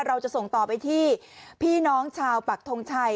เราจะส่งต่อไปที่พี่น้องชาวปักทงชัย